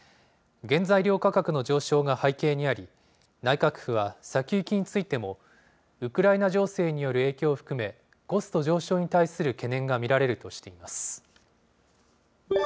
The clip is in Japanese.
原材料価格の上昇が背景にあり、内閣府は先行きについても、ウクライナ情勢による影響を含め、コスト上昇に対する懸念が見られるとしています。